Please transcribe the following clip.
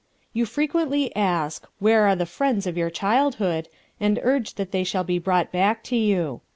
You frequently ask, where are the friends of your childhood, and urge that they shall be brought back to you.